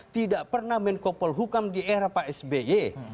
tidak pernah menkopol hukam di era pak sby